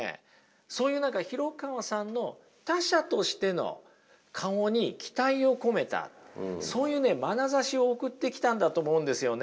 そういう廣川さんの他者としての顔に期待を込めたそういうねまなざしを送ってきたんだと思うんですよね。